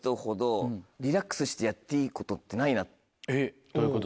えっどういうこと？